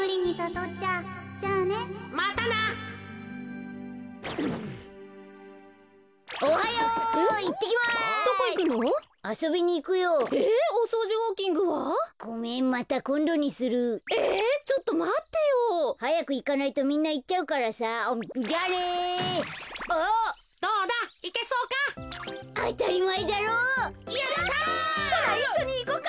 ほないっしょにいこか。